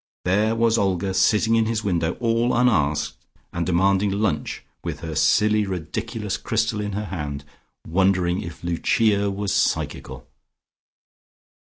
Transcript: There was Olga, sitting in his window, all unasked, and demanding lunch, with her silly ridiculous crystal in her hand, wondering if Lucia was psychical.